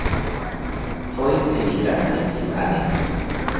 Foi denigrante, engaden.